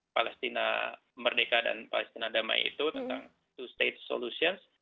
palestina merdeka dan palestina damai itu tentang two state solutions